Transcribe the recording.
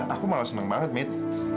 aku malah seneng banget mit